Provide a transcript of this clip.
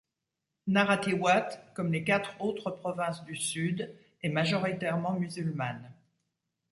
Narathiwat, comme les quatre autres provinces du Sud, est majoritairement musulmane.